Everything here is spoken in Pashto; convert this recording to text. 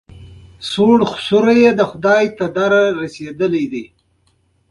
تایوان او چین بېسارې اقتصادي وده تجربه کړه.